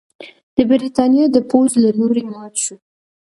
د برېټانیا د پوځ له لوري مات شو.